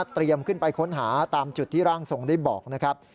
ขึ้นไปค้นหาตามจุดที่ร่างทรงได้บอกนะครับ